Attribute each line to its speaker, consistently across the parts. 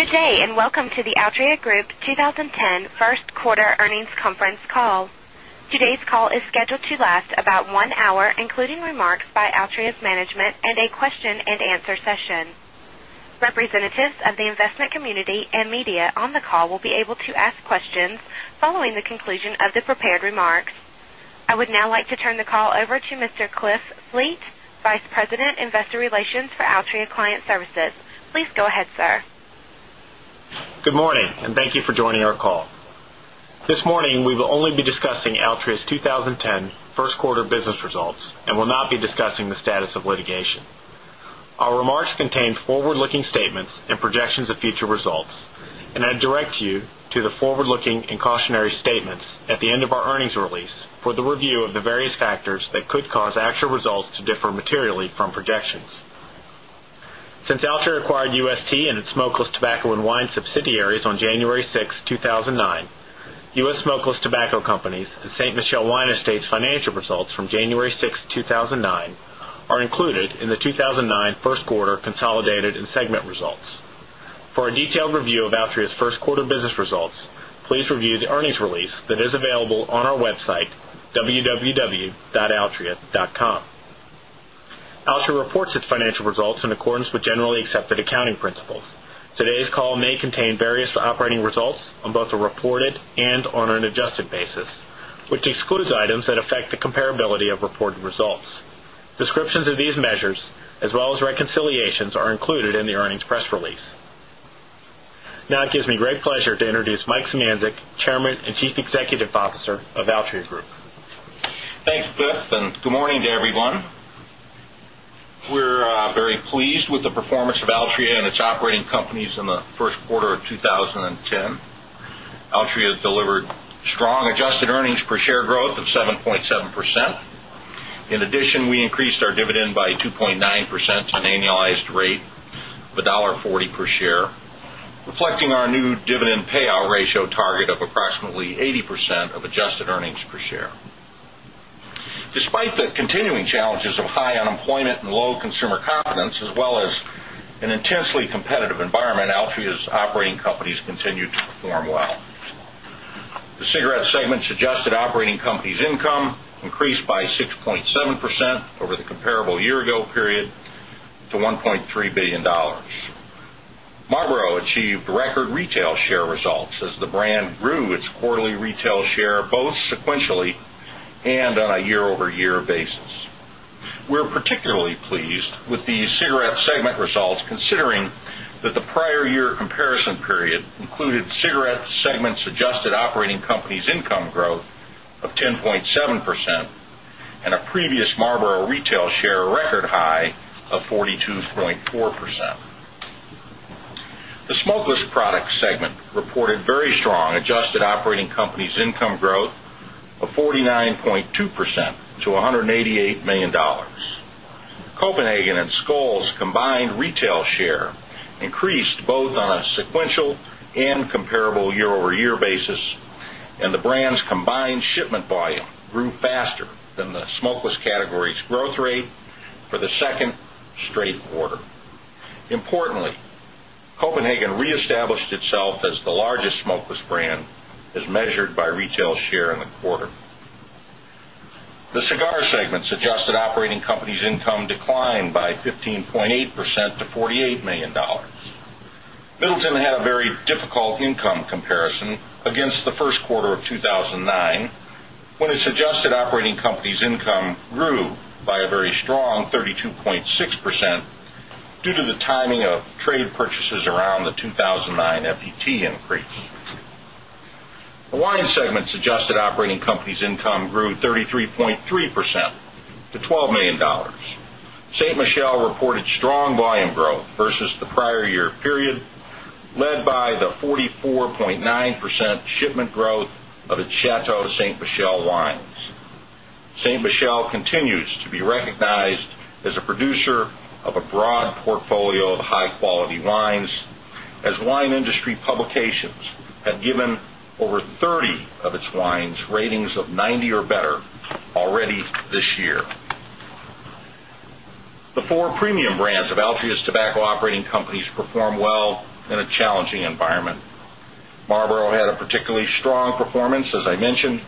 Speaker 1: Good day, and welcome to the Altria Group 20 10 First Quarter Earnings Conference Call. Today's call is scheduled to last about 1 hour, including remarks by Altria's management and a question and answer session. Representatives of the investment community and media on the call I would now like to turn the call over to Mr. Cliff Fleet, Vice President, Investor Relations for Altria Client Services. Please go ahead, sir.
Speaker 2: Good morning and thank you for joining our call. This morning, we will only be discussing Altria's 20 10 Q1 business results and will not be discussing the status of litigation. Our remarks contain forward looking statements and projections of future results, and I direct you to the forward looking and cautionary statements at the end of our earnings release for the review of the various factors that could cause actual results to differ materially from projections. Since Altria acquired UST and its Smokeless Tobacco and Wine subsidiaries on January 6, 6, 2,009 are included in the 2,009 Q1 consolidated and segment results. For a detailed review of Altria's Q1 business results, please review the earnings release that is available on our website, www.altria.com. Altria reports its financial results in accordance with generally accepted accounting principles. Today's call may contain various operating results on both a reported and on an adjusted basis, which excludes items that affect the comparability of reported results. Descriptions of these measures as well as reconciliations are included in the earnings press release. Now it gives me great pleasure to introduce Mike Symancic, Chairman and Chief Executive Officer of Altria Group.
Speaker 3: Thanks, Beth, and good morning to everyone. We're very pleased with the performance of Altria and its operating companies in the Q1 of 2010. Altria delivered strong adjusted earnings per share growth of 7.7%. In addition, we increased dividend by 2.9 percent to an annualized rate of 1 $0.40 per share, reflecting our new dividend payout ratio target continuing challenges of high unemployment and low consumer confidence as well as an intensely competitive environment, Altria's operating companies continue to perform well. The cigarette segment's adjusted operating companies income increased by 6.7% over the comparable year ago period to $1,300,000,000 Marlboro achieved record retail share results as the brand grew its quarterly retail share both sequentially and on a year over year basis. We're particularly pleased with the cigarette segment results considering that the prior year comparison period included cigarettes segment's adjusted operating companies income growth of 10.7 percent and a previous Marlboro retail share income growth of 49.2 percent to $188,000,000 Copenhagen and Skol's combined retail share increased both on a sequential and comparable year over year basis and the brand's combined shipment volume grew faster than the smokeless category's growth rate for the 2nd straight quarter. Importantly, Copenhagen reestablished itself as the largest smokeless brand as measured by retail share in the quarter. The Cigar segment's adjusted operating company's income declined by 15.8 percent to $48,000,000 Middleton had a very difficult income comparison against the Q1 of 2,009, when its adjusted operating company's income grew by a very strong 32.6 percent due to the timing of trade purchases around the 2,009 FET increase. The wine segment's adjusted operating company's income grew 33.3 percent to $12,000,000 St. Michel reported strong volume growth versus the prior year period, led by the 44.9% shipment growth of its Chateau Ste. Michel wines. Ste. Michel continues to be recognized as a producer of a broad portfolio of high quality wines as wine industry publications had given over 30 of its wines ratings of 90 or better already this year. The 4 premium brands of Altria's tobacco operating companies performed well in a challenging environment. Marlboro had a particularly strong performance as I mentioned.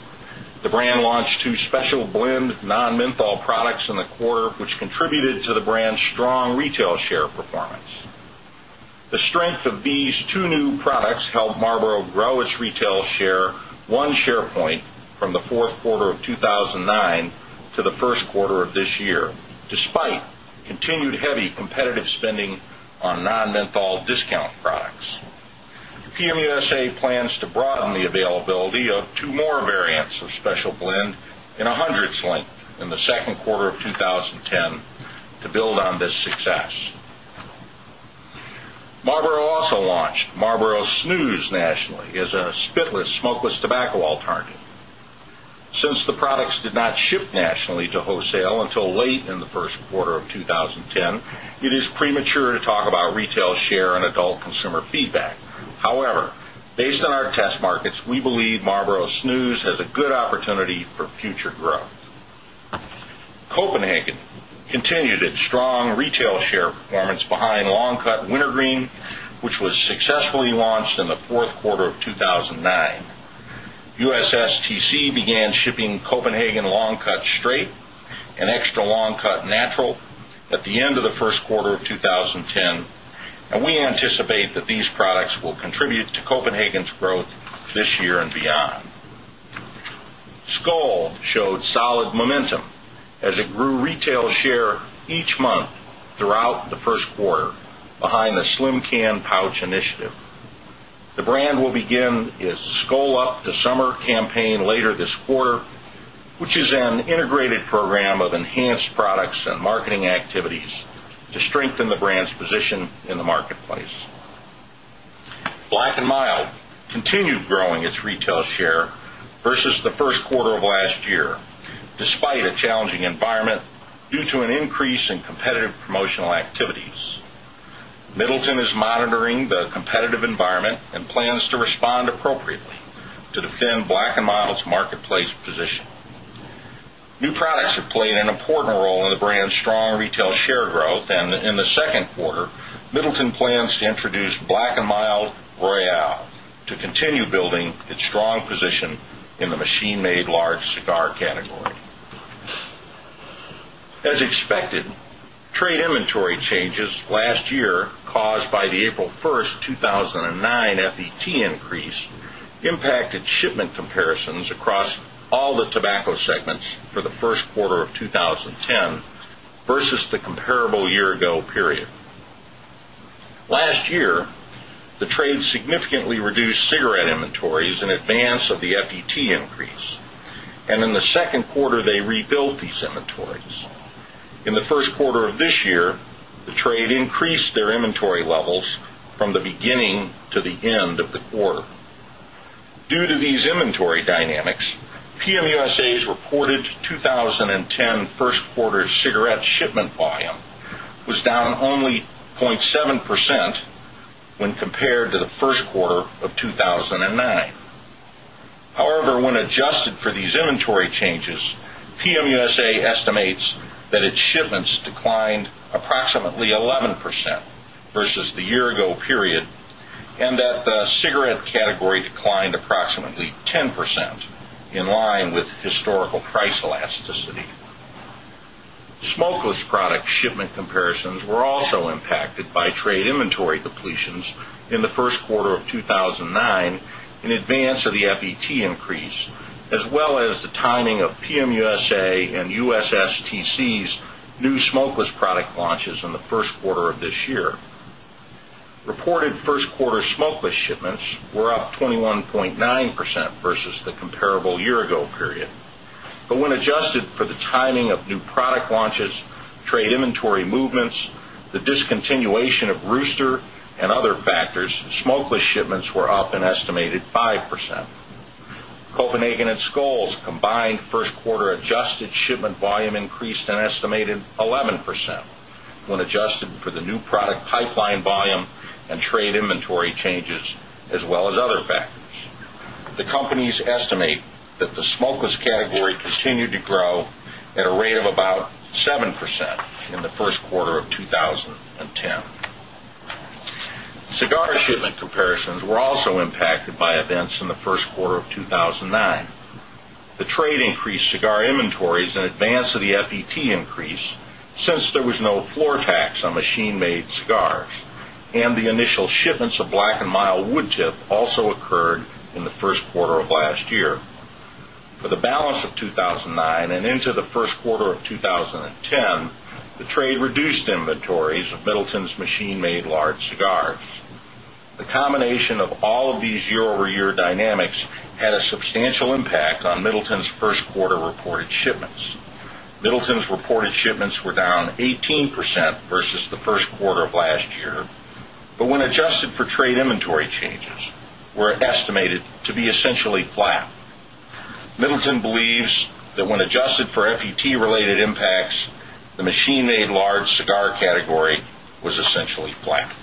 Speaker 3: The brand launched 2 special blend non menthol products in the quarter, which contributed to the brand's strong retail share performance. The strength of these two new products helped Marlboro grow its retail share one share point from the Q4 of 2,009 to Q1 of this year, despite continued heavy competitive spending on non menthol discount products. PM USA plans to broaden the availability of 2 more variants of special blend in 100s length in the Q2 of 2010 to build on this success. Marlboro also launched Marlboro Snooze nationally as a spitless smokeless tobacco alternative. Since the products did not ship nationally to wholesale until late in Q1 of 2010, it is premature to talk about retail share and adult consumer feedback. However, based on our test markets, we believe Marlboro Snooze has a good opportunity Cut Wintergreen, which was successfully launched in the Q4 of 2,009. USSTC began shipping Copenhagen Long Cut Straight and Extra Long Cut Natural at the end of the Q1 of 2010, and we anticipate that these products will contribute to Copenhagen's growth this year and beyond. Skol showed solid momentum as it grew its Skull Up to Summer campaign later this quarter, which its Skol Up to Summer campaign later this quarter, which is an integrated program of enhanced products and marketing activities to strengthen the brand's position in the marketplace. Black and Mild continued growing its retail share versus the Q1 of last year, despite a challenging environment due to an increase in competitive promotional activities. Middleton is monitoring the competitive environment and plans to respond appropriately to defend Black and Model's marketplace position. New products have played an important role in the brand's strong retail share growth. And in the Q2, Middleton plans to introduce Black and Mild Royale to continue building its strong position in the machine made large cigar category. As expected, trade inventory changes last year caused by the April 1, 2009, FET increase impacted shipment comparisons across all the tobacco segments for the Q1 of 2010 versus the comparable year ago period. Last year, the trade significantly reduced cigarette inventories in advance of the from the beginning to the end of the quarter. Due to these inventory dynamics, PM USA's reported 20 10 Q1 cigarette shipment volume was down only 0.7% when compared to the in line with historical price elasticity. Smokeless product shipment comparisons were also impacted by trade inventory depletions in the Q1 of 2009 in advance of the FET increase, as well as the timing of PM USA and USSTC's new smokeless product launches in the Q1 of this year. Reported 1st quarter smokeless shipments were up 21.9% versus the comparable year ago period. But when adjusted for the timing of new product launches, trade inventory movements, the discontinuation of rooster and other factors, smokeless shipments were up estimated 5%. Copenhagen and Skol's combined first quarter adjusted shipment volume increased an estimated 11% when adjusted for the new product pipeline volume and trade inventory changes as well as other factors. The company's estimate that the smokeless category continued to grow at a rate of about 7% in the Q1 of 2010. Cigar shipment comparisons were also impacted by events in the Q1 of 2009. The trade increased cigar inventories in advance of the FET increase since there was no floor tax on machine made scars. And the initial shipments of black and mild wood tip also occurred in the Q1 of last year. For the balance of 2,009 and into the Q1 of 2010, the trade reduced inventories of Middleton's machine made large cigars. The combination of all of these year over year dynamics had a substantial impact on Middleton's Q1 reported shipments. Middleton's reported shipments were down 18% versus the Q1 of last year, but when adjusted for trade inventory changes, were estimated to be essentially flat. Middleton believes that when adjusted for FUT related impacts, the machine made large cigar category was essentially flat.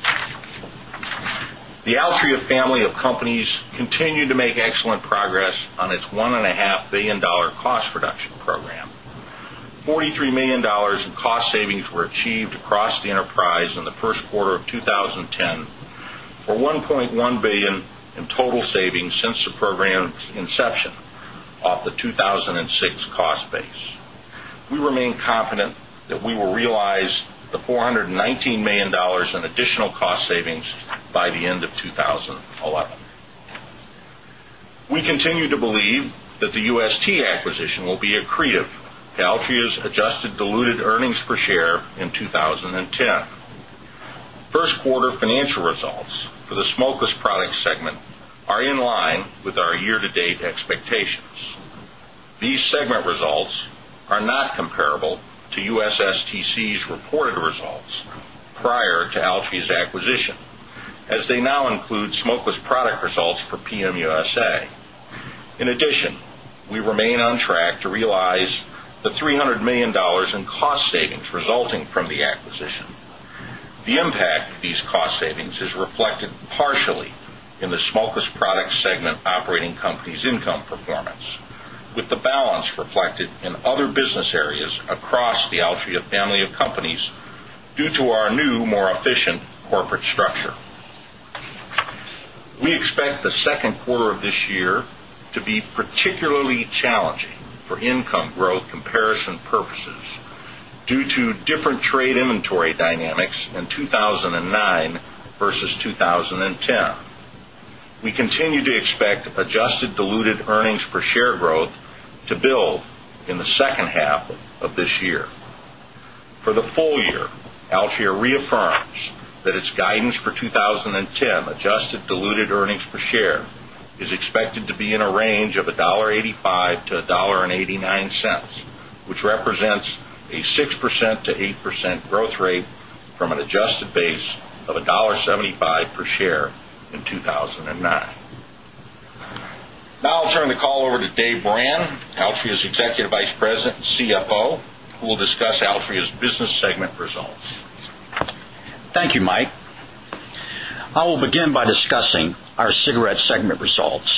Speaker 3: The Altria family of companies continued to make excellent progress on its $1,500,000,000 cost reduction program. $43,000,000 in cost savings were achieved across the enterprise in the Q1 of 2010 for 1,100,000,000 dollars in total savings since the program's inception of the 2,006 cost base. We remain confident that will realize the $419,000,000 in additional cost savings by the end of 2011. We continue to believe that the UST acquisition will be accretive to Altria's adjusted diluted earnings per share in 2010. First quarter financial results for the Smokeless Products segment are in line with our year to date expectations. These segment results are not comparable to USSTC's reported results prior to Alky's acquisition, as they now include smokeless product results for PM USA. In addition, we remain on track to realize the $300,000,000 in cost savings resulting from the acquisition. The impact of these cost savings is reflected partially in the Smoker's Products segment operating more efficient corporate structure. We expect the Q2 of this year to be particularly challenging for income growth comparison purposes due to different trade inventory dynamics in 2,009 versus 2010. We continue to expect adjusted diluted earnings per share growth to build in the second half of this year. For the full year, Altair reaffirms that its guidance for 20.10 adjusted diluted earnings per share is expected to be in a range of 1.8 $5 to $1.89 which represents a 6% to 8% growth rate from an adjusted base of $1.75 per share in 2,009. Now I'll turn the call over to Dave Brand, Altria's Executive Vice President and CFO, who will discuss Altria's business segment results.
Speaker 4: Thank you, Mike. I will begin by discussing our cigarette segment results.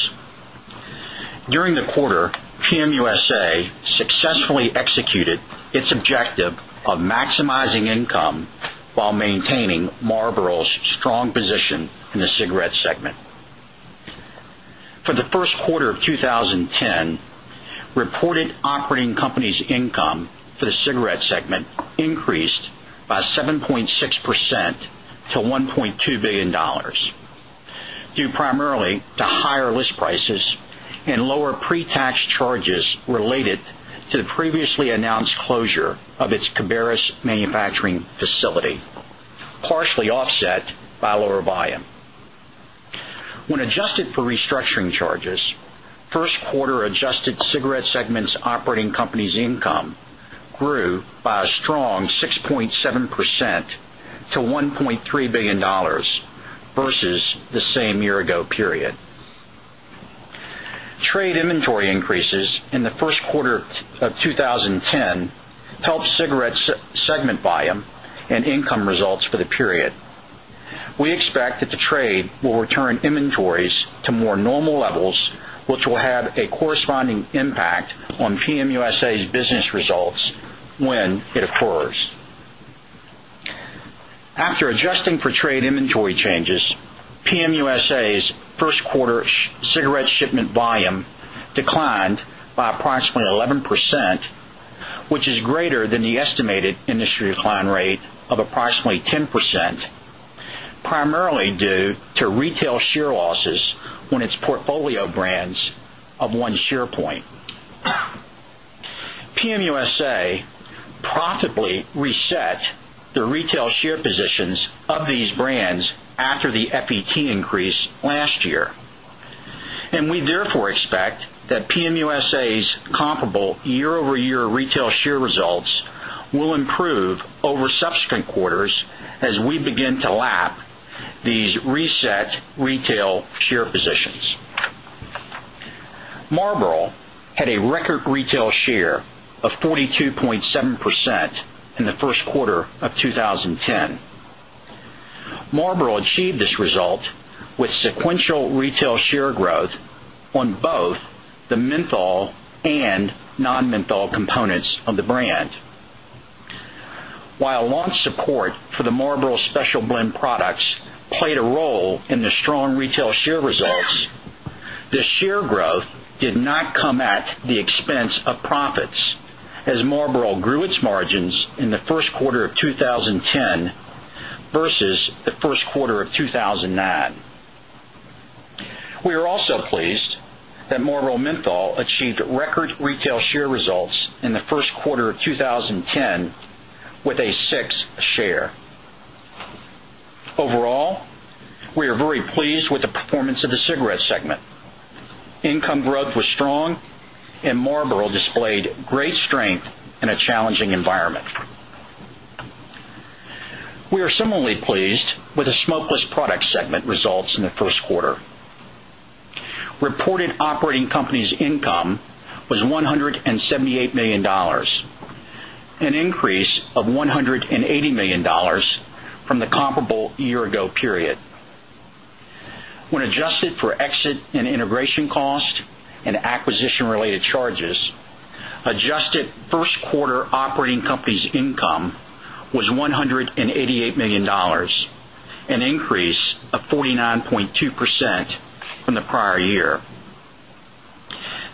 Speaker 4: During the quarter, PM USA successfully executed its objective of maximizing income while maintaining Marlboro's strong position in the cigarette segment. For the Q1 of 2010, reported operating company's income for the cigarette segment increased by 7.6 percent to $1,200,000,000 due primarily to higher list prices and lower pre tax charges related to the previously announced closure of its Cabarrus manufacturing facility, partially offset by lower volume. When adjusted for restructuring charges, 1st quarter adjusted cigarette segments operating company's income grew by a strong 6.7 percent to $1,300,000,000 versus the same year ago period. Trade inventory increases in the Q1 of 2010 helped cigarettes segment volume and income results for the period. We expect that the trade will return inventories to more normal levels, which will have a corresponding impact on PM USA's business results when it occurs. After adjusting for trade inventory changes, PM USA's 1st quarter cigarette shipment volume declined by approximately 11%, which is greater than the estimated industry decline rate of approximately 10%, primarily due to retail share losses when its portfolio brands of 1 point. PM USA profitably reset the retail share positions of these brands after the FET increase last year. And we therefore expect that PM USA's comparable year over year retail share results will improve over subsequent quarters as we begin to lap these reset retail share positions. Marlboro had a record retail share of 42.7% in the Q1 of 20 10. Marlboro achieved this result with sequential retail share growth on both the menthol and non menthol components of the brand. While grew its margins in the Q1 of 2010, grew its margins in the Q1 of 2010 versus the Q1 of 2,009. We are also pleased that Morro Menthol achieved record retail share results in the Q1 of 2010 with
Speaker 3: a
Speaker 4: segment. Income growth was strong and Marlboro displayed great strength in a challenging environment. Similarly pleased with the Smokeless Products segment results in the Q1. Reported operating company's income was $178,000,000 an increase of $180,000,000 from the comparable year ago period. When adjusted for exit and integration cost and acquisition related charges, adjusted first quarter operating company's income was $188,000,000 an increase of 49.2% from the prior year.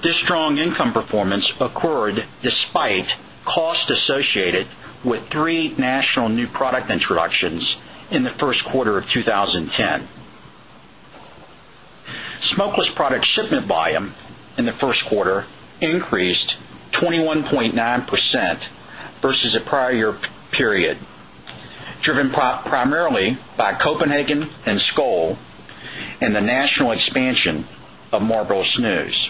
Speaker 4: This strong income performance occurred despite cost associated with 3 national new product introductions in the Q1 of 2010. Smokeless product shipment volume in the Q1 increased 21.9% versus the prior year period, driven primarily by Copenhagen and Skol and the national expansion of Marlborough Snooze.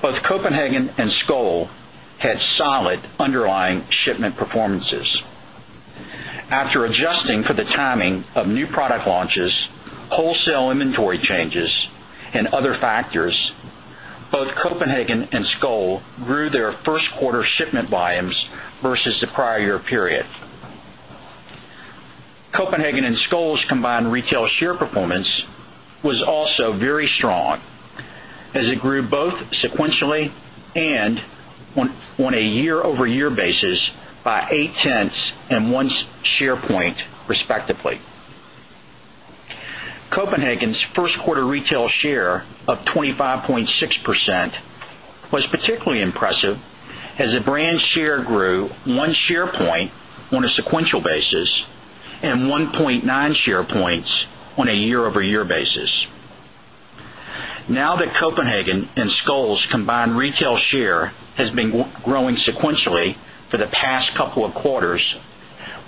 Speaker 4: Both Copenhagen and Skol had solid underlying shipment performances. After adjusting for the timing of new product launches, wholesale inventory changes and other factors, both Copenhagen and Skol grew their 1st quarter shipment volumes versus the prior year period. On a year over year basis by 0.8 and 1 share point respectively. Copenhagen's 1st quarter retail share of 25.6% was particularly impressive as the brand share grew 1 share point on a sequential basis and 1.9 share points on a year over year basis. Now that Copenhagen and Skol's combined retail share has been growing sequentially for the past couple of quarters,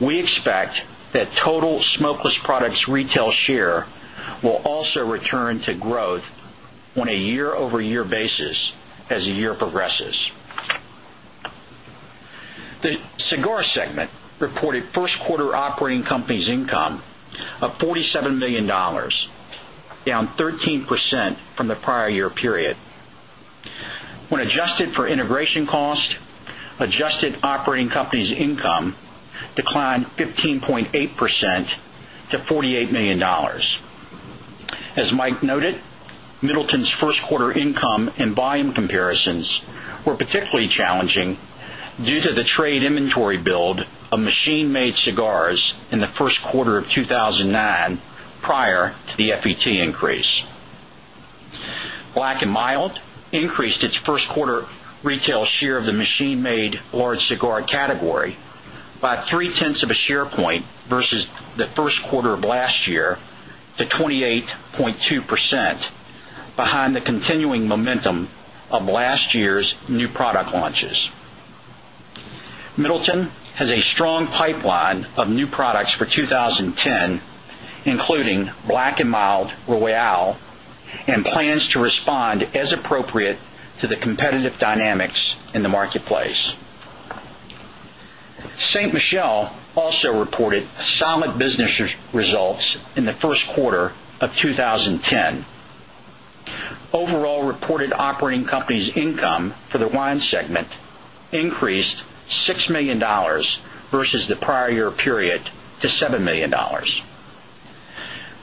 Speaker 4: we expect that total smokeless products retail share will also return to growth on a year over year basis as the year progresses. The Cigar segment reported 1st quarter operating company's income of $47,000,000 down 13% from the prior year period. When adjusted for integration cost, adjusted operating company's income declined 15.8 percent to 40 $8,000,000 As Mike noted, Middleton's 1st quarter income and volume comparisons were were cigar category by 0.3 of a share point versus the Q1 of last year to 28 0.2% behind the continuing momentum of last year's new product launches. Has a strong pipeline of new products for 2010 including black and mild Royale and plans to respond as appropriate to the competitive dynamics in the marketplace. St. Michel also reported solid business results in the Q1 of 2010. Overall reported operating company's income for the wine segment increased 6,000,000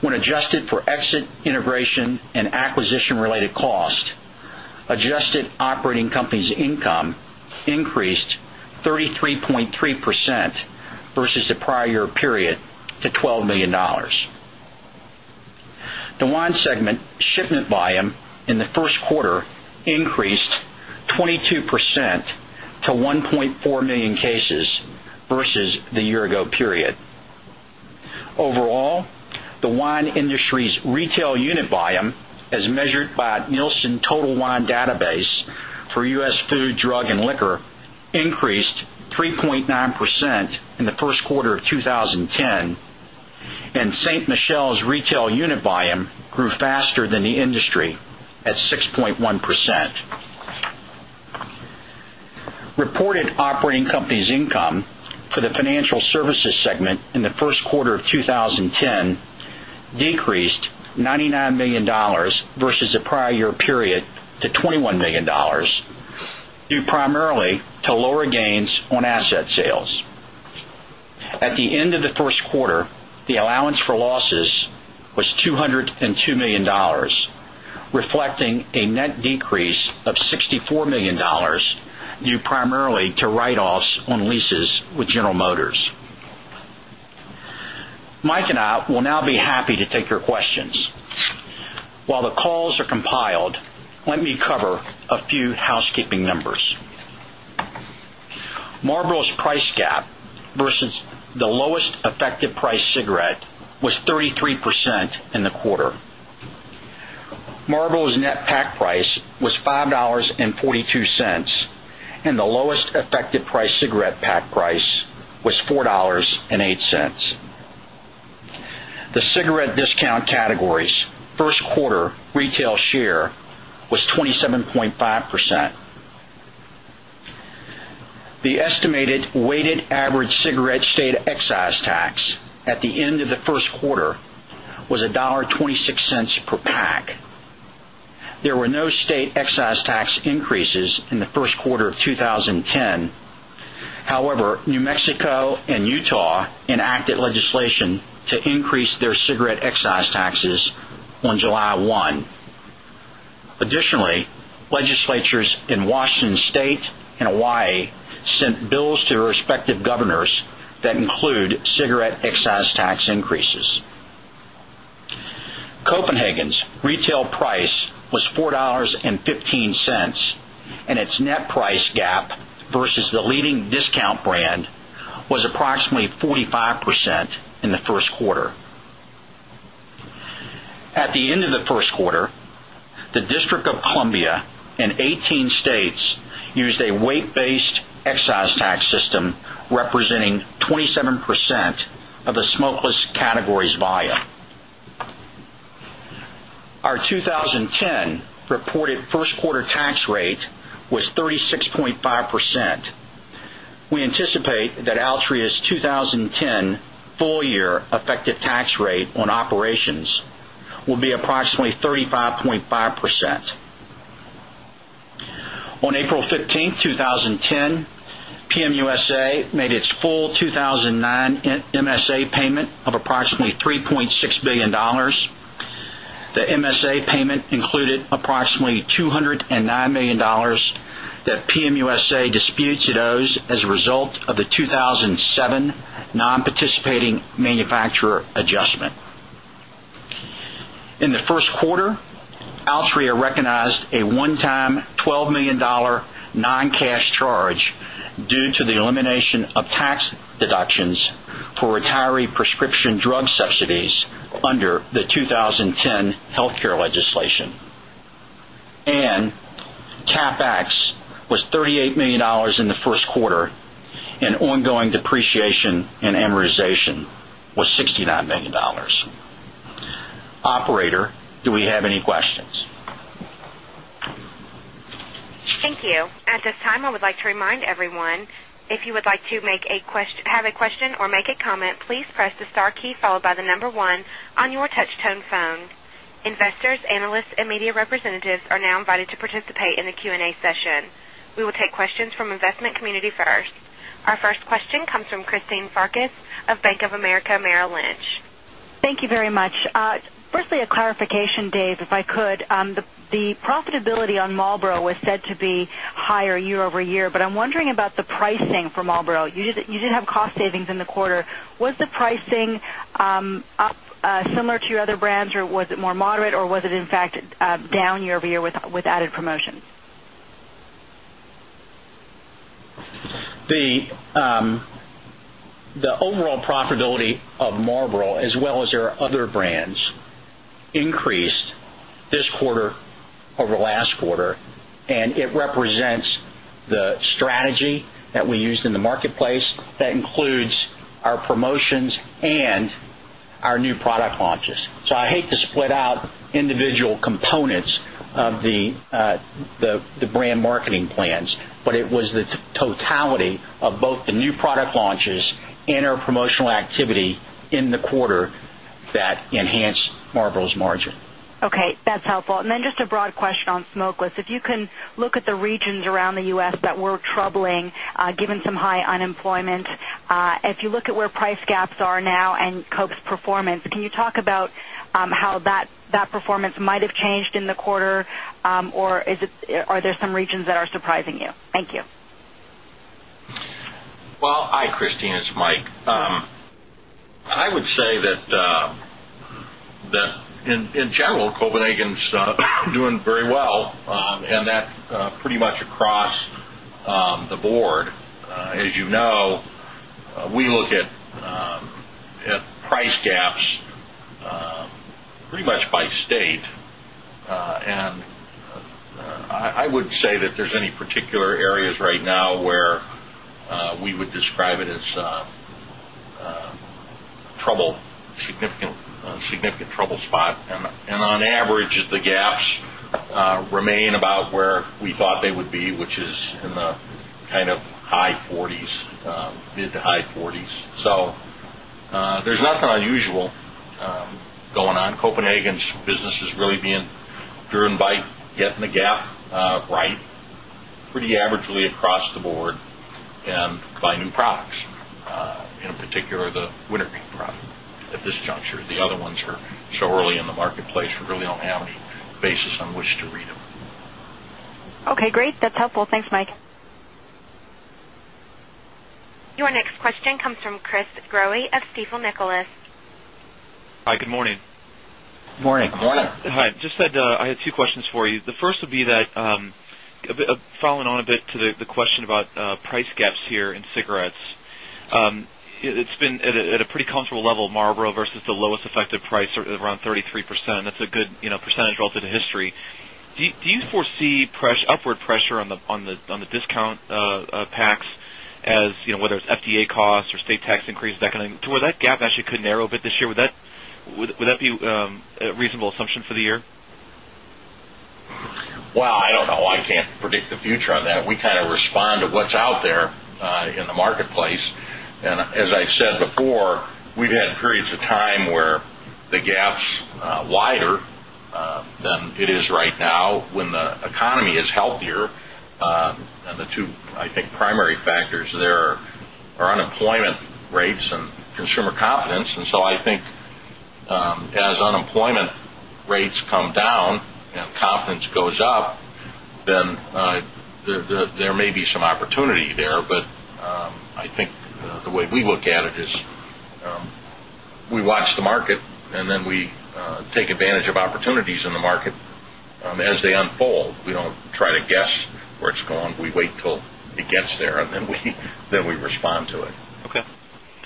Speaker 4: cases versus the year ago period. Overall, the wine industry's retail unit volume as measured by Nielsen
Speaker 3: quarter of
Speaker 4: 2010 and St. Michelle's retail unit volume grew faster than the industry at 6.1 percent. Reported operating company's income for the Financial Services segment in the Q1 of 2010 decreased $99,000,000 versus the prior year period to $21,000,000 due primarily to lower gains on asset sales. At the end of the first quarter, the allowance for losses was $202,000,000 reflecting a net decrease of 64,000,000 dollars due primarily to write offs on leases with General Motors. Mike and I will now be happy to take your questions. While the calls are compiled, let me cover a few housekeeping numbers. Marlboro's price gap versus the lowest effective price cigarette was 33% in the quarter. Marlboro's net pack price was $5.42 and the lowest effective price cigarette pack price was $4.08 The cigarette discount categories 1st quarter retail share was 20 7.5%. The estimated weighted average cigarette state excise tax at the end of the first quarter was $1.26 per pack. There were no state excise tax increases in the Q1 of Additionally, legislatures in Washington State and Hawaii sent bills to respective governors that include cigarette excise tax increases. Copenhagen's retail price was 4 point $1.5 and its net price gap versus the leading discount brand was approximately 45% in the Q1. At the end of the first quarter, the District of Columbia in 18 states used a weight based excise tax system representing 27% of the smokeless categories volume. Our 2010 reported 1st quarter tax rate was 36.5%. We anticipate that Altria's 20 10 full year effective tax rate on operations will be approximately 35.5%. On April 15, 2010 PM USA made its full 2,009 MSA payment of approximately $3,600,000,000 The MSA payment included approximately 2 0 $9,000,000 that PM USA disputes to those as a result of the 2,007 non participating manufacturer adjustment. In the Q1, Altria recognized a one time 12,000,000 dollars non cash charge due to the elimination of tax deductions for retiree prescription drug subsidies under the 2010 healthcare legislation. And CapEx was 38,000,000 dollars in the Q1 and ongoing depreciation and amortization was $69,000,000 Operator, do we have any questions?
Speaker 1: Thank
Speaker 5: Thank you very much. Firstly, a clarification, Dave, if I could. The profitability on Marlboro was said to be higher year over year, but I'm wondering about the pricing for Marlboro. You did have cost savings in the quarter. Was the pricing up similar to other brands? Or was it more moderate? Or was it in fact down year over year with added promotions?
Speaker 4: The overall profitability of Marlboro as well as there are other brands increased this quarter over last quarter. And it represents the strategy that we used in the market place that includes our promotions and our new product launches. So I hate to split out individual components of the brand marketing plans, but it was the totality of both the new product launches and our promotional activity in the quarter that enhanced Marlboro's
Speaker 5: margin. Okay. That's helpful. And then just a broad question on smokeless. If you can look at the regions around the U. S. That were troubling given some high unemployment, if you look at where price gaps are now and Coke's performance, can you talk about how that performance might have changed in the quarter? Or is it are there some regions that are surprising you? Thank you.
Speaker 3: Well, hi, Christine, it's Mike. I would say that in general, Copenhagen is doing very well and that pretty much across the board. As you know, we look at price gaps pretty much by state. And I would say that there's any particular areas right now where we would describe it as trouble significant trouble spot. And on average, the gaps remain about where we thought they would be, which is in the kind of high 40s mid to high 40s. So there's nothing unusual going on. Copenhagen's business is really being driven by getting the gap right pretty averagely across the board and buying new products, in particular the wintergreen product at this juncture. The other ones are so early in the marketplace, we really don't have any basis on which to read them.
Speaker 5: Okay, great. That's helpful. Thanks, Mike.
Speaker 1: Your next question comes from Chris Growe of Stifel Nicolaus.
Speaker 3: Hi, good morning. Good morning. Good morning.
Speaker 6: Hi. Just had I had two questions for you. The first would be that following on a bit to the question about price gaps here in cigarettes. It's been at a pretty comfortable level Marlboro versus the lowest effective price around 33%. That's a good percentage relative to history. Do you foresee upward pressure on the discount packs as whether it's FDA costs or state tax increases that kind of to where that gap actually could narrow a bit this year. Would that be a reasonable assumption for the year?
Speaker 3: Well, I don't know. I can't predict the future on that. We kind of respond to what's out there in the marketplace. And as I've said before, we've had periods of time where the gap is wider than it is right now when the economy is healthier. And the 2, I think, primary factors there are unemployment rates and consumer confidence. And so I think as unemployment rates come down and confidence goes up, then there may be some opportunity there. But I think the way we look at it is we watch the market and then we take advantage of opportunities in the market as they unfold. We don't try to guess where it's going. We wait till it gets there and then we respond to it.
Speaker 6: Okay.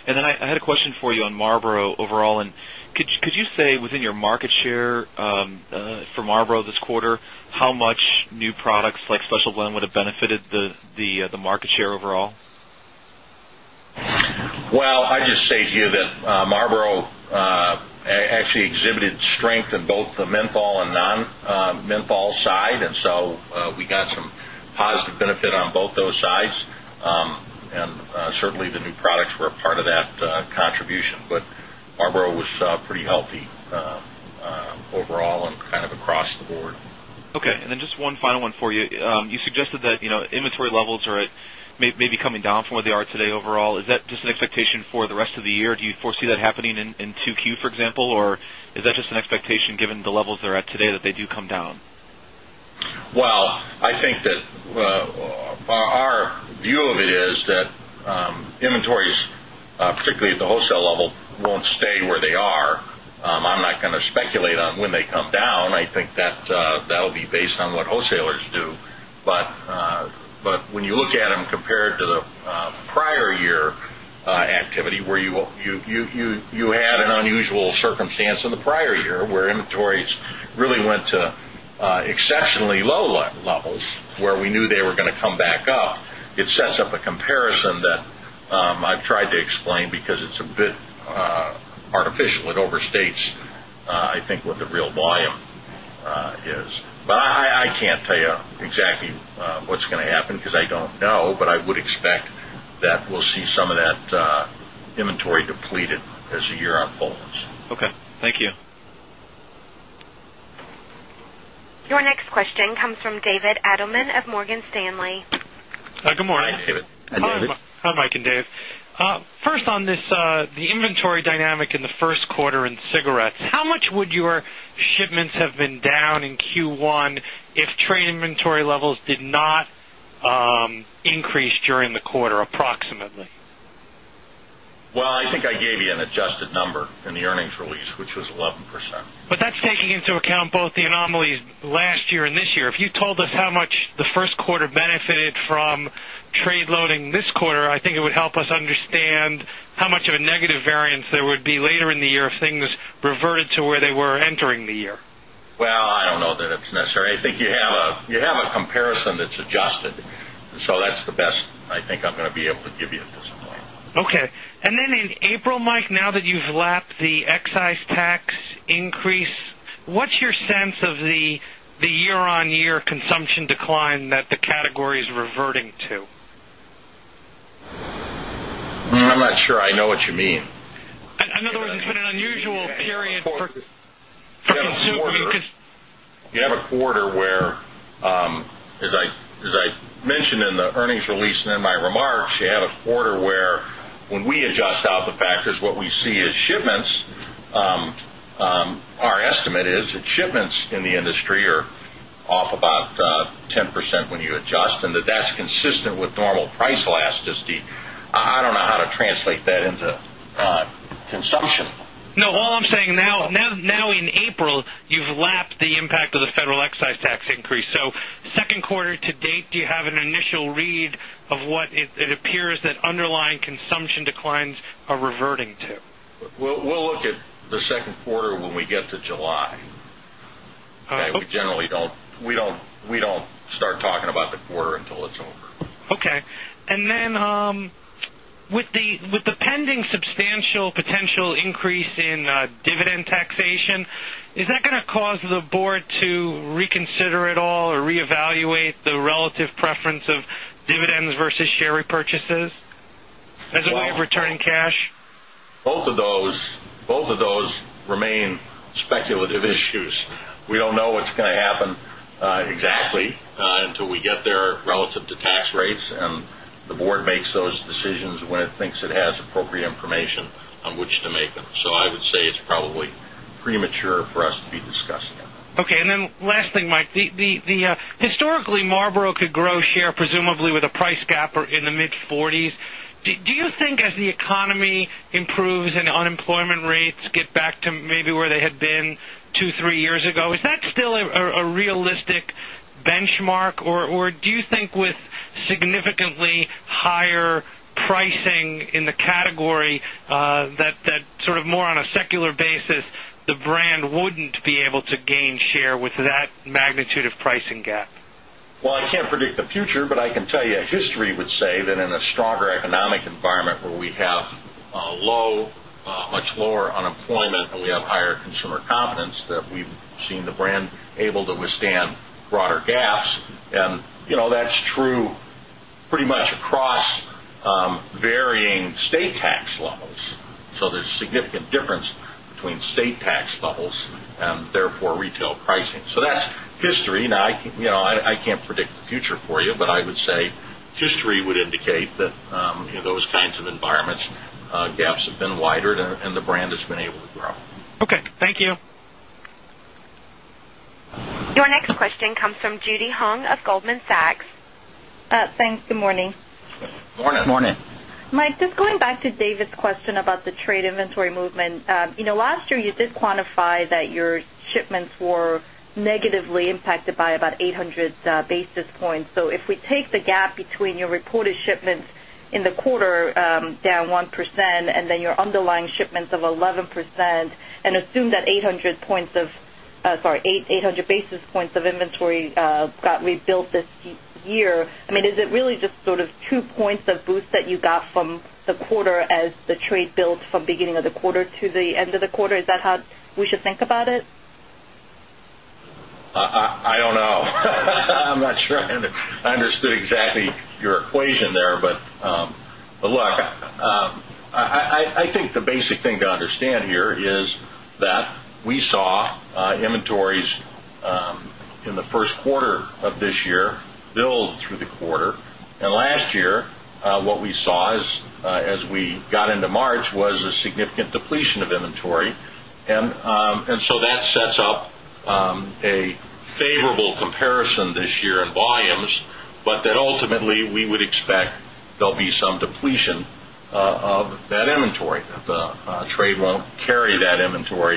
Speaker 6: And then I had a question for you on Marlboro overall. And could you say within your market share for Marlboro this quarter, how much new products like Special Blend would benefited the market share overall?
Speaker 3: Well, I just say to you that Marlboro actually exhibited strength in both the menthol and non menthol side. And so we got some positive benefit on both those sides. And certainly, the new products were a part of that contribution. But Marlboro was pretty healthy overall and kind of across the board.
Speaker 6: Okay. And then just one final one for you. You suggested that inventory levels are at maybe coming down from where they are today overall. Is that just an expectation for the rest of the year? Do you foresee that happening in 2Q, for example? Or is that just an expectation given the levels they're at today that they come down?
Speaker 3: Well, I think that our view of it is that inventories, particularly at the wholesale level, won't stay where they are. I'm not going to speculate on when they come down. I think that that will be based on what wholesalers do. But when you look at them compared to the prior year activity where you had an unusual circumstance in the prior year where inventories really went to exceptionally low levels where we knew they were going to come back up, it sets up a comparison that I've tried to explain because it's a bit artificial. It overstates I think what the real volume is. But I can't tell you exactly what's going to happen because I don't know, but I would
Speaker 1: Your next question comes from David Adelman of Morgan Stanley.
Speaker 2: Good morning. Hi, David.
Speaker 7: Hi, Mike and Dave. First on this, the inventory dynamic in the Q1 in cigarettes, how much would your shipments have been down in Q1 if trade inventory levels did not increase during the quarter approximately?
Speaker 3: Well, I think I gave you an adjusted number in the earnings release, which was 11%.
Speaker 7: But that's taking into account both the anomalies last year and this year. If you told us how much the Q1 benefited from trade loading this quarter, I think it would help us understand how much of a negative variance there would be later in the year if things reverted to where they were entering the year?
Speaker 3: Well, I don't know that it's necessary. I think you have a comparison that's adjusted. So that's the best I think I'm going to be able to give you at this point.
Speaker 7: Okay. And then in April, Mike, now that you've lapped the excise tax increase, what's your sense of the year on year consumption decline that the category is reverting to?
Speaker 3: I'm not sure I know what you mean.
Speaker 7: In other words, it's been an unusual period for
Speaker 3: You have a quarter where as I mentioned in the earnings release and in my remarks, you have a quarter where when we adjust out the factors what we see is shipments, our estimate is that shipments in the industry are off about 10% when you adjust and that's consistent with normal price elasticity. I don't know how to translate that into consumption.
Speaker 7: No. All I'm saying now in April, you've lapped the impact of the federal excise tax increase. So 2nd quarter to date, do you have an initial read of what it appears that underlying consumption declines are reverting to?
Speaker 3: We'll look at the Q2 when we get to July. We generally don't start talking about the quarter until it's over.
Speaker 7: Okay. And then with the pending substantial potential increase in dividend taxation, is that going to cause the Board to reconsider it all or reevaluate the relative preference of dividends versus share repurchases as a way of returning cash?
Speaker 3: Both of those remain speculative issues. We don't know what's going to happen exactly until we get there relative to tax rates and the Board makes those decisions when it thinks it has appropriate information on which to make them. Them. So I would say it's probably premature for us to be discussing. Okay.
Speaker 7: And then last thing, Mike, the historically Marlboro could grow share presumably with a price gap in the mid-40s. Do you think as the economy improves and unemployment rates get back to maybe where they had been 2, 3 years ago, Is that still a realistic benchmark? Or do you think with significantly higher pricing in the category that sort of more on a secular basis, the brand wouldn't be able to gain share with that magnitude of pricing
Speaker 3: gap? Well, I can't predict the future, but I can tell you a history would say that in a stronger economic environment where we have low much lower unemployment and we have higher consumer confidence that we've seen the brand able to withstand broader gaps. And that's true pretty much across varying state tax levels. So there's significant difference between state tax levels and therefore retail pricing. So that's history. Now I can't predict the future for you, but I would indicate that those kinds of environments gaps have been wider and the brand has been able to grow.
Speaker 7: Okay. Thank you.
Speaker 1: Your next question comes from Judy Hong of Goldman Sachs. Thanks. Good morning.
Speaker 3: Good morning. Good morning.
Speaker 8: Mike, just going back to David's question about the trade inventory movement. Last year, you did quantify that your shipments were negatively underlying shipments of 11% and assume that 800 points underlying shipments of 11% and assume that 800 points of sorry, 800 basis points of inventory got rebuilt this year. I mean, is it really just sort of 2 points of boost that you got from the quarter as the trade builds from beginning of the quarter to the end of the quarter? That how we should think about it?
Speaker 3: I don't know. I'm not sure I understood exactly your equation there. Look, I think the basic thing to understand here is that we saw inventories in the Q1 of this year build through the quarter. And last year, what we saw is as we got into March was a inventory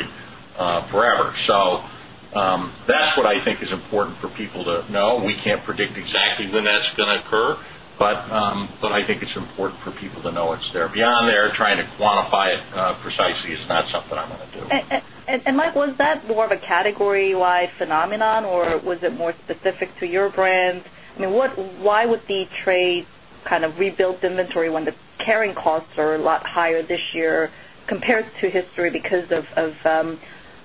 Speaker 3: forever. So that's what I think is important for people to know. We can't predict exactly when that's going to occur. But I think it's important for people to know it's there. Beyond there, trying to quantify it precisely is not something I'm going to do.
Speaker 8: And Mike, was that more of lot higher this carrying costs are a lot higher this year compared to history because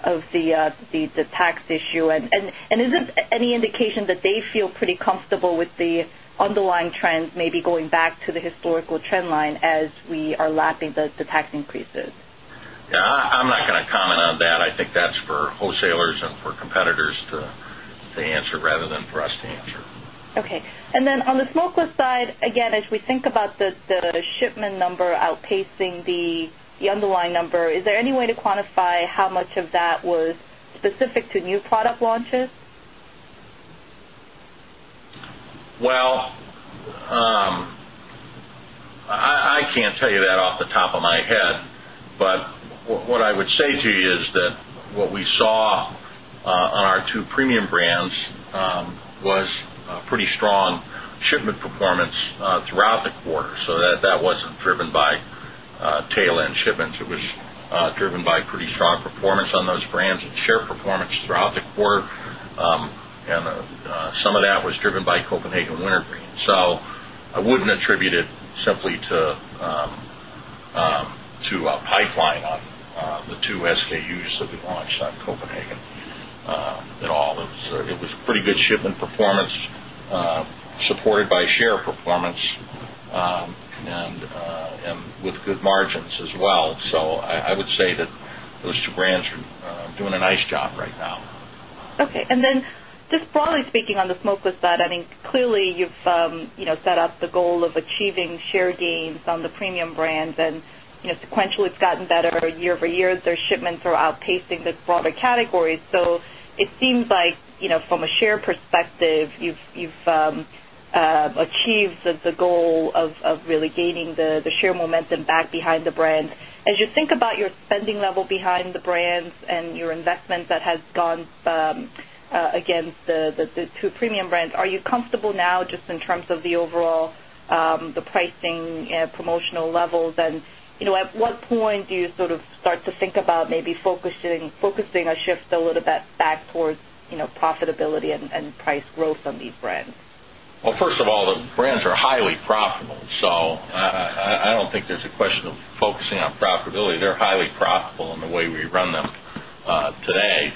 Speaker 8: of the tax issue? And is it any indication that they feel pretty comfortable with the underlying trends maybe going back to the historical trend line as we are lapping the tax increases?
Speaker 3: Yes. I'm not going to comment on that. I think that's for wholesalers and for competitors to answer rather than for us to answer.
Speaker 8: Okay. And then on the smokeless side, again, as we think about the shipment number outpacing the underlying number, is there any way to quantify how much of that was specific to new product launches?
Speaker 3: Well, I can't tell you that off the top of my head. But what I would say to you is that what we saw on our 2 premium brands was pretty strong shipment performance throughout the quarter. So that wasn't driven by tail end shipments. It was driven by pretty strong performance on those brands and share performance throughout the quarter. And some of that was driven by Copenhagen Wintergreen. So I wouldn't attribute it simply to our pipeline on the 2 SKUs that we launched on Copenhagen at all. It was pretty good shipment supported by share performance and with good margins as well. So I would say that those two brands are doing a nice job right now.
Speaker 8: Okay. And then just broadly speaking on the Smokeless side, I mean, clearly, you've set up the goal of achieving share gains on the premium brands and sequentially, it's gotten better year over year as their shipments are outpacing this broader category. So it seems like from a share perspective, you've achieved the goal of really gaining the share momentum back behind the brand. As you think about your spending level behind the brands and your investment that has gone against the 2 premium brands, are you comfortable now just in terms of the overall, the pricing promotional levels? And at what point do you sort of start to think about maybe focusing a shift a little bit back towards profitability and price growth on these brands?
Speaker 3: Well, first all, the brands are highly profitable. So I don't think there's a question of focusing on profitability. They're highly profitable in the way we run them today.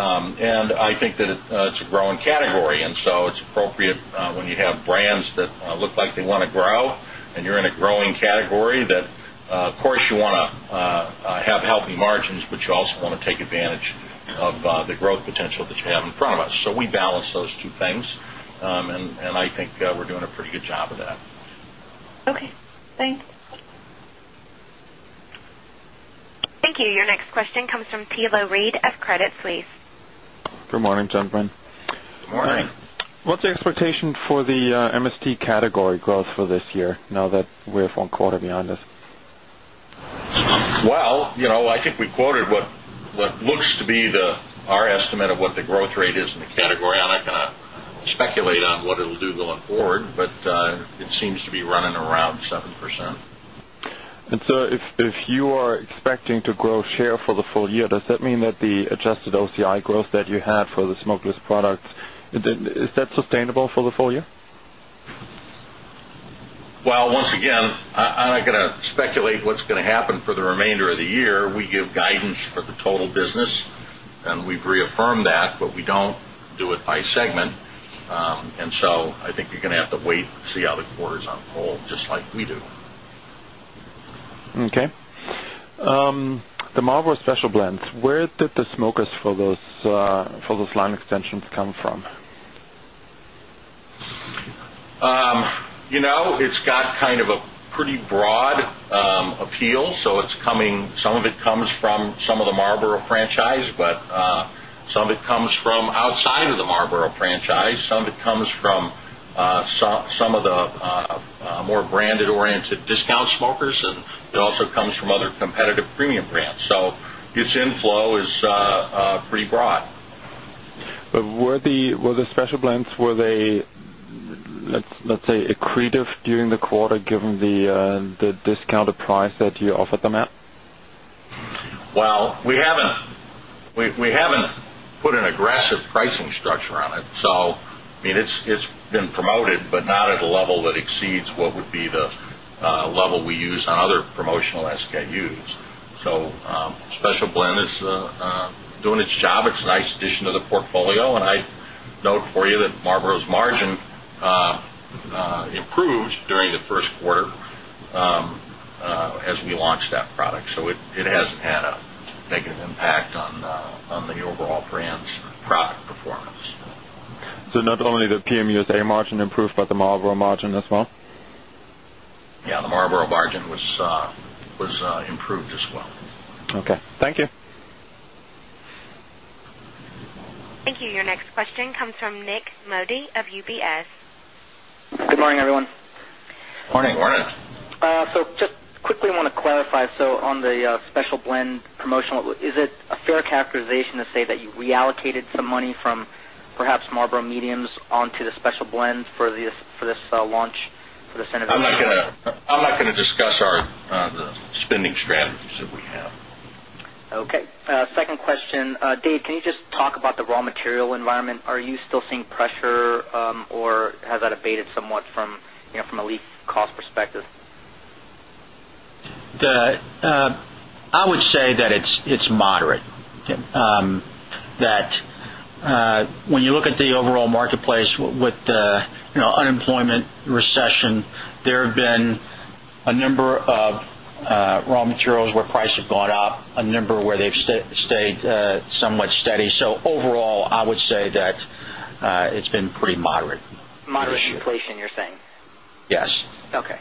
Speaker 3: And I think that it's a growing category. And so it's appropriate when you have brands that look they want to grow and you're in a growing category that, of course, you want to have healthy margins, but you also want to take advantage of the growth potential that you have in front of us. So we balance those two things. And I think we're doing a pretty good job of that.
Speaker 8: Okay. Thanks.
Speaker 1: Thank you. Your next question comes from Teilo Reid of Credit Suisse.
Speaker 9: Good morning, gentlemen.
Speaker 3: Good morning.
Speaker 9: What's the expectation for the MST category growth for this year now that we're 1 quarter behind this?
Speaker 3: Well, I think we quoted what looks to be the our estimate of what the growth rate is in the category. I'm not going to speculate on what it will do going forward, but it seems to be running around 7%.
Speaker 9: And so if you are expecting to grow share for the full year, does that mean that the adjusted OCI growth that you had for the smokeless products, is that sustainable
Speaker 3: for the full year? Well, once again, I'm not going to speculate what's going to happen for the remainder of the year. We give guidance for the total business and we've reaffirmed that, but we don't do it by segment. And so I think you're going have to wait and see how the quarters unfold just like we do. Okay.
Speaker 9: The Marlboro Special Blends, where did the smokers for those line extensions come from?
Speaker 3: It's got kind of a pretty broad appeal. So it's coming some of it comes from some of the Marlboro franchise, but some some of the more branded oriented discount smokers and it also comes from other competitive premium brands. So its inflow is pretty broad.
Speaker 9: But were the special blends, were they, let's say, accretive during the quarter given the discounted price that you offered them at?
Speaker 3: Well, we haven't put an aggressive pricing structure on it. So, I mean, it's been promoted, but not at a level that exceeds what would be the level we use on other promotional SKUs. So, special blend is doing its job. It's nice addition to the portfolio. And I note for you that Marlboro's margin improved during the Q1 as we launched that product. So it hasn't had a negative impact on the overall brand's product performance.
Speaker 9: So not only the PM USA margin improved, but the Marlboro margin as well?
Speaker 3: Yes. The Marlboro margin was improved as well.
Speaker 9: Okay. Thank you.
Speaker 1: Thank you. Your next question comes from Nik Modi of UBS.
Speaker 10: Good morning, everyone.
Speaker 3: Good morning. Good morning.
Speaker 10: So just quickly want to clarify. So on the special blend promotional, is it a fair characterization to say that you reallocated some money from perhaps Marlboro Mediums onto the special blend for this launch for the synergy?
Speaker 3: I'm not going to discuss our spending strategies that we have.
Speaker 10: Okay. Second question, Dave, can you just talk about the raw material environment? Are you still seeing pressure or has that abated somewhat from a leaf cost perspective?
Speaker 4: I would say that it's moderate. That when you look at the overall marketplace with the unemployment recession, there have been a number of raw materials where price have gone up, a number where they've stayed somewhat steady. So overall, I would say that it's been pretty moderate.
Speaker 10: Moderate inflation, you're saying?
Speaker 4: Yes.
Speaker 10: Okay.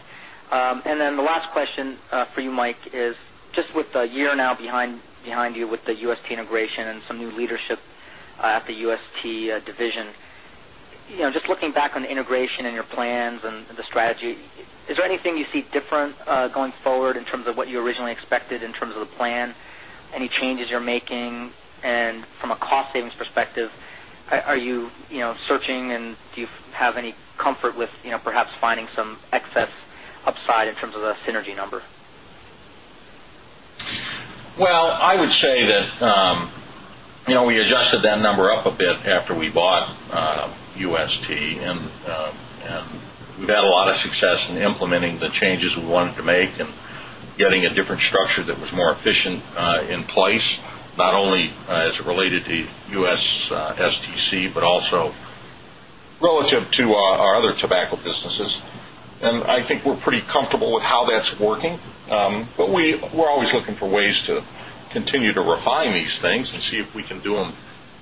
Speaker 10: And then the last question for you, Mike, is just with a year now behind you with the UST integration and some new leadership at the UST division, Just looking back on the integration and your plans and the strategy, is there anything you see different going forward in terms of what you originally expected in terms of the plan? Any changes you're making? And from a cost savings perspective, are you searching? And do you have any comfort with perhaps finding some excess upside in terms of the synergy number?
Speaker 3: Well, I would say that we adjusted that number up a bit after we bought UST and we've had a lot of success in implementing the changes we wanted to make and getting a different structure that was more efficient in place, not only as it related to U. S. STC, but also relative to our other tobacco businesses. And I think we're pretty comfortable with how that's working. But we're always looking for ways to continue to refine these things and see if we can do them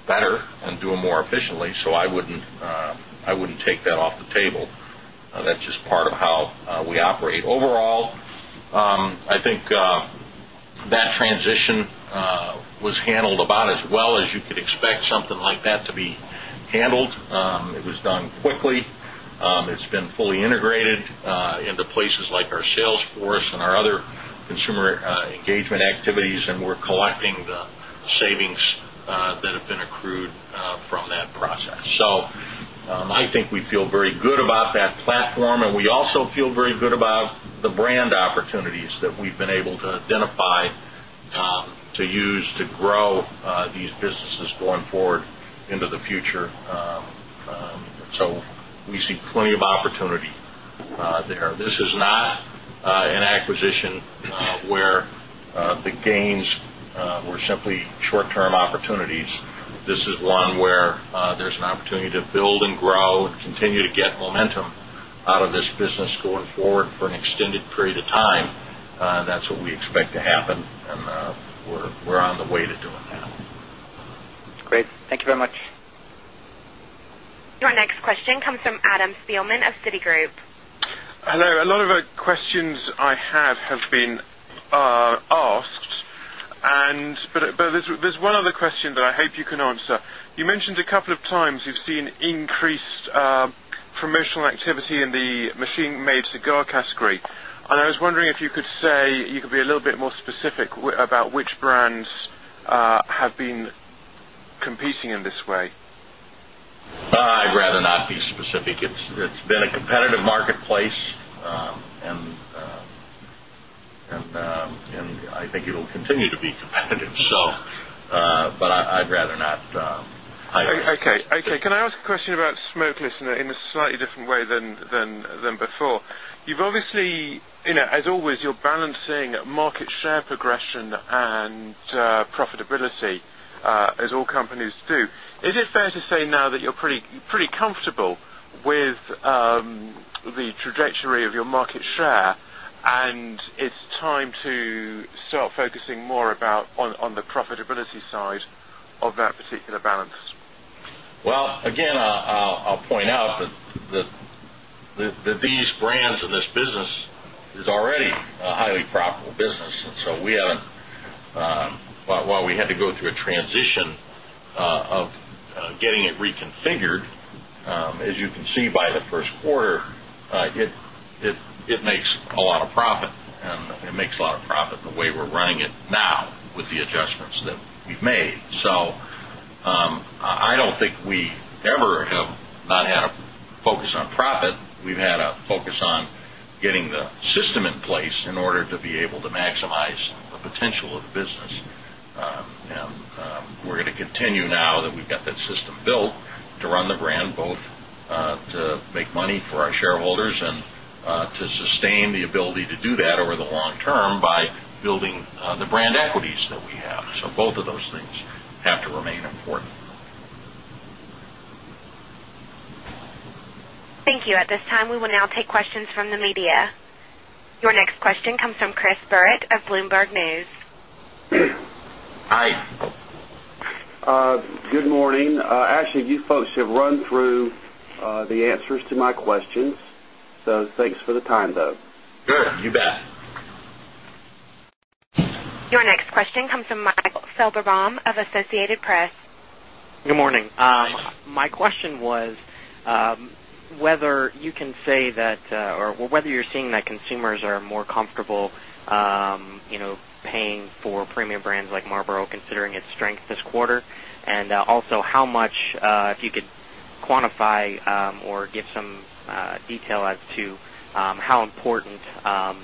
Speaker 3: better and do them more efficiently. So I wouldn't take that off the table. That's just part of how we operate. Overall, I think that transition was handled about as well as you could expect something like that to be handled. It was done quickly. It's been fully integrated into places like our sales force and our other consumer engagement activities and we're collecting the savings that have been accrued from that process. So I think we feel very good about that platform and we also feel very good about opportunities that we've been able to identify to use to grow these businesses going forward into the future. So we see plenty of opportunity there. This is not an acquisition where the gains were simply short term opportunities. This is one where there's an opportunity to build and grow and continue to get momentum out of this business going forward for an extended period of time. That's what we expect to happen and we're on the way to do that.
Speaker 10: Great. Thank you very much.
Speaker 1: Your next question comes from Adam Spielman of Citigroup.
Speaker 11: Hello. A lot of questions I have have been asked. And but there's one other question that I hope you can answer. You mentioned a couple of times you've seen increased promotional activity in the machine made cigar category. And I was wondering if you could say you could be a little bit more specific about which brands have been competing in this way?
Speaker 3: I'd rather not be specific. It's been a competitive marketplace and I think it will continue to be competitive. So, but I'd rather not
Speaker 11: Okay. Can I ask a question about Smokeless in a slightly different way than before? You've obviously, as always, you're balancing market share profitability as all companies do. Is it fair to say now that you're pretty comfortable with the trajectory of your market share? And it's time to start focusing more about on the profitability side of particular balance?
Speaker 3: Well, again, I'll point out that these brands in this business is already a highly profitable business. And so we haven't while we had to go through a transition of getting it reconfigured, as you can see by the Q1, it makes a lot of profit and it makes a lot of profit in the way we're running it now with the adjustments that we've made. So, I don't think we ever have not had a focus on profit. We've had a focus on getting the system in place in order to be able to maximize the potential of the business. We're going to continue now that we've got that system built to run the brand both to make money for our shareholders and to sustain the ability to do that over the long term by building the brand equities that we have. So both of those things have to remain important.
Speaker 1: Thank you. At this time, we will now take questions from the media. Your next question comes from Chris Burrett of Bloomberg
Speaker 3: News. Hi.
Speaker 12: Good morning. Actually, you folks have run through the answers to my questions. So thanks for the time though.
Speaker 3: Good. You bet.
Speaker 1: Your next question comes from Michael Selberbaum of Associated Press.
Speaker 10: Good morning. My question was whether you can say that or whether you're seeing that consumers are more comfortable paying for premium brands like Marlboro considering its strength this quarter? And also how much if you could quantify or give some detail as to how important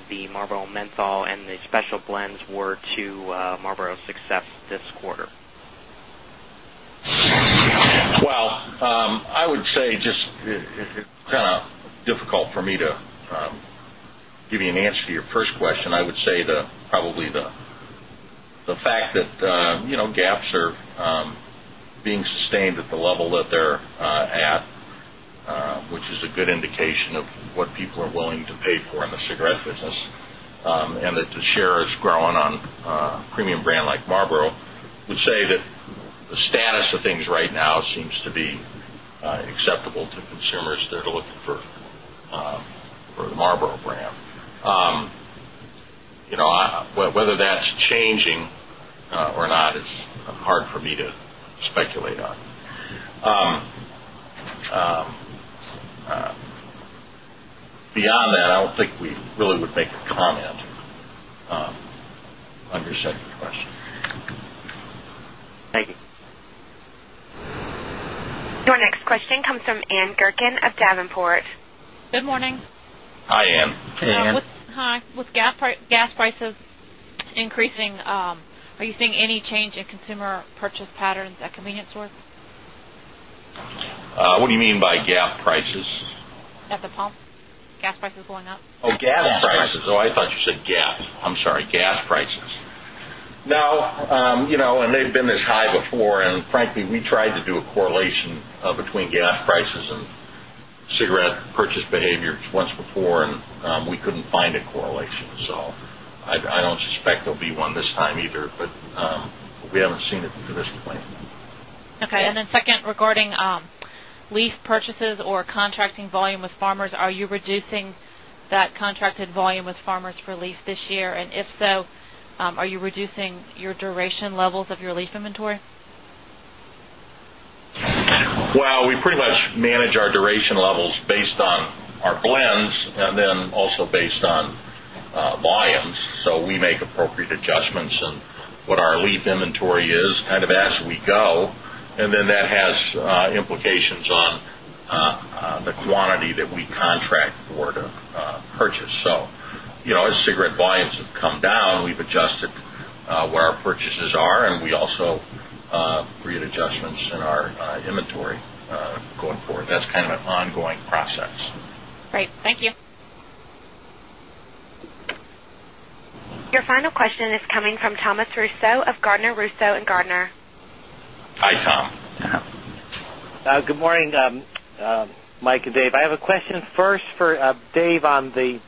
Speaker 10: the Marlboro menthol and the special blends were to Marlboro's success this quarter?
Speaker 3: Well, I would say just kind of difficult for me to give you an answer to your first question. I would say that probably the fact that gaps are being sustained at the level that they're at, which is a good indication of what people are willing to pay for in the cigarette business. And that the share is growing on premium brand like Marlboro. I would say that the status of things right now seems to be acceptable to consumers. That are looking for the Marlboro brand. Whether that's changing or not, it's hard for me to speculate on. Beyond that, I don't think we really would make a comment on your second question.
Speaker 12: Thank you.
Speaker 1: Your next question comes from Ann Gurkin of Davenport.
Speaker 13: Good morning.
Speaker 3: Hi, Ann. Hi, Ann.
Speaker 13: Hi, Ann. Hi. With gas prices increasing, are you seeing any change in consumer purchase patterns at convenience stores?
Speaker 3: What do you mean by gas prices?
Speaker 13: At the pump, gas prices going up.
Speaker 3: Oh, gas prices. Oh, I thought you said GAAP. I'm sorry, gas prices. Now, and they've been this high before and frankly, we tried to do a correlation between gas prices and cigarette purchase behavior once before and we couldn't find a correlation. So I don't suspect there'll be one this time either, but we haven't seen it to this point.
Speaker 13: Okay. And then second regarding leaf purchases or contracting volume with farmers, are you reducing that contracted volume with farmers for lease this year? And if so, are you reducing your duration levels of your lease
Speaker 3: inventory? Well, we pretty much manage our duration levels based on our blends and then also based on volumes. So we make appropriate adjustments and what our leaf inventory is kind of as we go. And then that has implications on the quantity that we contract for to purchase. So as cigarette volumes have come down, we've adjusted where our purchases are and we also create adjustments in our inventory going forward. That's kind of an ongoing process.
Speaker 13: Great. Thank you.
Speaker 1: Your final question is coming from Thomas Russo of Gardner Russo and Gardner.
Speaker 12: Hi, Tom. Good morning, Mike and Dave. I have a question first for Dave on the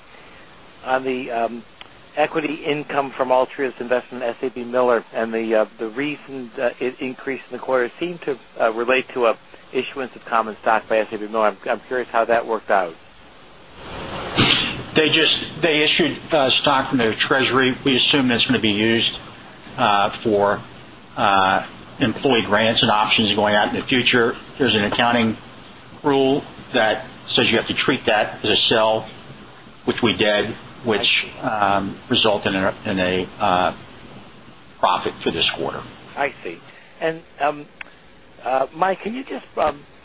Speaker 12: equity income from Altria's investment in SABMiller and the recent increase in the quarter seem to relate to a issuance of common stock by SAB Miller. I'm curious how that worked out.
Speaker 4: They just they issued stock from their treasury. We assume that's going to be used for employee grants and options going out in the future. There's an accounting rule that says you have to treat that as a sell, which we did, which resulted in a profit for this quarter.
Speaker 12: I see. And Mike, can you just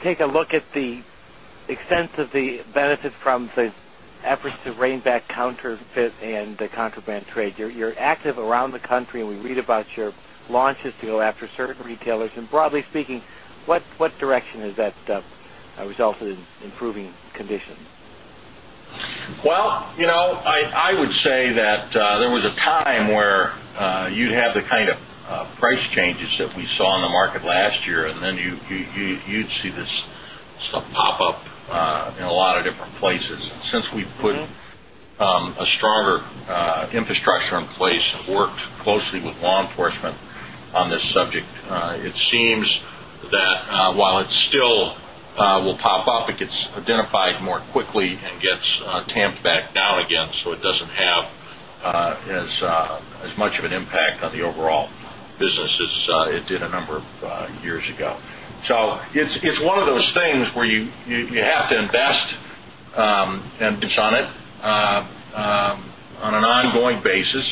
Speaker 12: take a look at the extent of the benefit from the efforts to rein back counterfeit and the contraband trade? You're active around the country and we read about your launches to go after certain retailers. And broadly speaking,
Speaker 3: would say that there was a time where you'd have the kind of price changes that we saw in the market last year and then you'd see this stuff pop up in a lot of different places. Since we've put a stronger infrastructure in place, worked closely with law enforcement on this subject. It seems that while it still will pop up, it gets identified more quickly and gets back down again. So, it doesn't have as much of an impact on the overall business as it did a number of years ago. So it's one of those things where you have to invest and pitch on it on an ongoing basis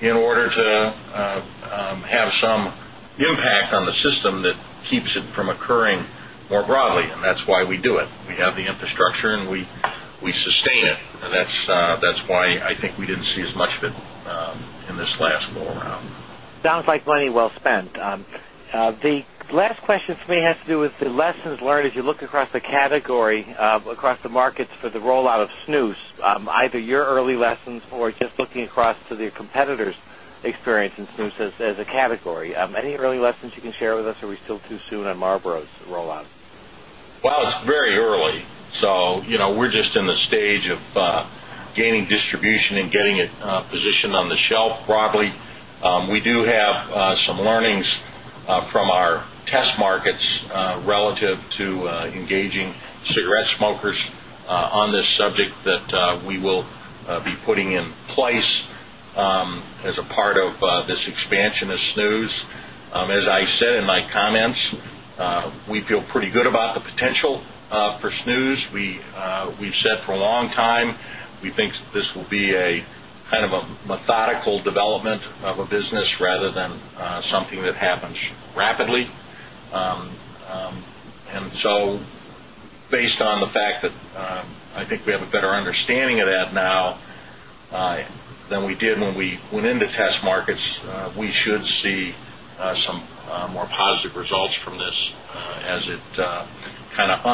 Speaker 3: in order to have some impact on the system that keeps it from occurring more broadly. And that's why we do it. We have the infrastructure and we sustain it. And that's why I think we didn't see as much of it in this last
Speaker 12: like money well spent. The last question for me has to do with the lessons learned as you look across the category across the markets for the rollout of snus, either your early lessons or just looking across to the competitors' experience in snus as a category. Any early lessons you can share with us or we're still too soon on Marlboro's rollout?
Speaker 3: Well, it's very early. So we're just in the stage of gaining distribution and getting it positioned on the shelf probably. We do have some learnings from our test markets relative to engaging cigarette smokers on this subject that we will be putting in place as part of this expansion of snus. As I said in my comments, we feel pretty good about the potential for snus. We've said for a long time, we think this will be a kind of a methodical development of a business rather than something that happens rapidly. And so based on the fact that I think we have a better understanding of that now than
Speaker 9: we did when we went into test markets, we should see some more positive results from this
Speaker 3: as it kind of